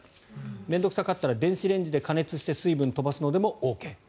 面倒臭かったら電子レンジで加熱して水分を飛ばすのでもＯＫ。